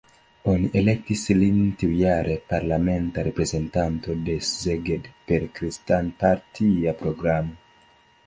Oni elektis lin tiujare parlamenta reprezentanto de Szeged, per kristan-partia programo.